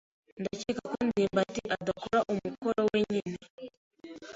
Ndakeka ko ndimbati adakora umukoro we wenyine.